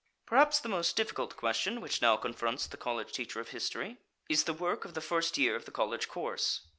Perhaps the most difficult question which now confronts the college teacher of history is the work of the first year of the college course.